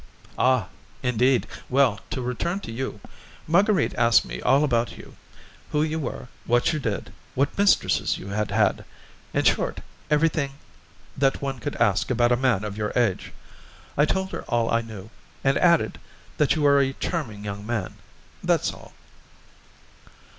"Ah, indeed! Well, to return to you. Marguerite asked me all about you: who you were, what you did, what mistresses you had had; in short, everything that one could ask about a man of your age. I told her all I knew, and added that you were a charming young man. That's all."